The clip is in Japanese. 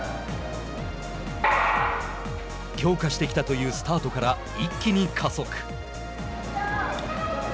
強化してきたというスタートから一気に加速。